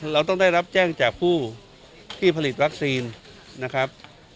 เราต้องได้รับแจ้งจากผู้ที่ผลิตวัคซีนนะครับ